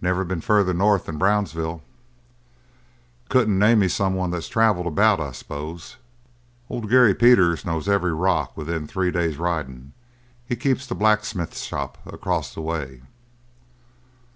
"Never been further north than Brownsville." "Couldn't name me someone that's travelled about, I s'pose?" "Old Gary Peters knows every rock within three day's riding. He keeps the blacksmith shop across the way."